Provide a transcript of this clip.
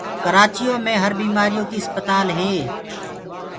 ڪرآچيو مي هر بيمآريو ڪيٚ آسپتآلينٚ هينٚ